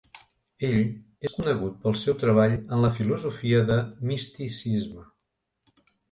Ell és conegut pel seu treball en la filosofia de misticisme.